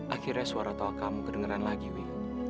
akhirnya suara tau kamu kedengeran lagi dewi